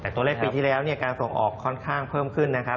แต่ตัวเลขปีที่แล้วเนี่ยการส่งออกค่อนข้างเพิ่มขึ้นนะครับ